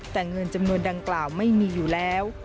แต่เงินจำนวนดังกล่าวไม่มีอยู่แล้ว